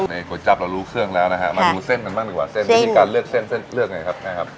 โดยจับเรารู้เครื่องแล้วนะฮะมาดูเส้นกันบ้างดีกว่าเส้นไม่มีการเลือกเส้นเลือกไงครับ